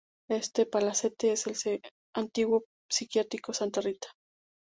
Este palacete es el antiguo psiquiátrico "Santa Rita".